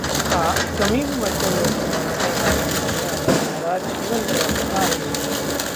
हा कमी व मध्यम वस्तूमानाच्या ताऱ्यांमधे आढळणारा जीवनक्रम आहे.